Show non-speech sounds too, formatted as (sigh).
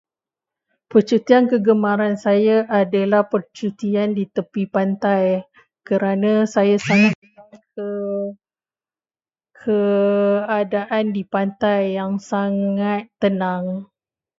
Percutian kegemaran saya adalah percutian di tepi pantai kerana saya (noise) sangat suka keadaan di pantai yang sangat tenang.